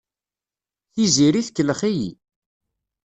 Tiziri tkellex-iyi.